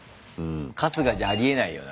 春日じゃありえないよな。